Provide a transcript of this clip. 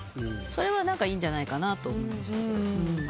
それはいいんじゃないかと思いました。